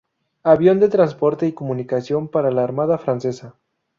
Avión de transporte y comunicación para la Armada Francesa.